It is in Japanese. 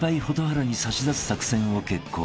蛍原に差し出す作戦を決行］